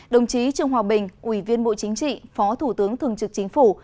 đồng chí trương hòa bình ủy viên bộ chính trị phó thủ tướng thường trực chính phủ